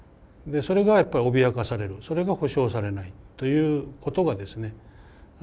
それが脅かされるそれが保障されないということがですね